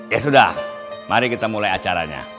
ya sudah mari kita mulai acaranya